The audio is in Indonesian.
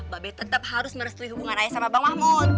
babeh tetep harus merestui hubungan raya sama bang mahmud